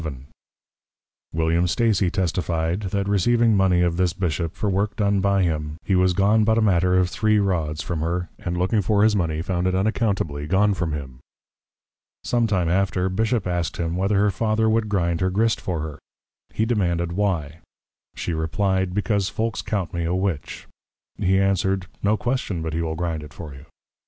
William Stacy testify'd, That receiving Mony of this Bishop, for work done by him; he was gone but a matter of three Rods from her, and looking for his Mony, found it unaccountably gone from him. Some time after, Bishop asked him, whether her Father would grind her Grist for her? He demanded why? She reply'd, Because Folks count me a Witch. He answered, _No question but he will grind it for you.